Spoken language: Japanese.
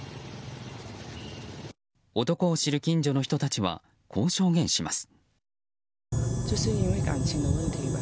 男を知る近所の人たちはこう証言します。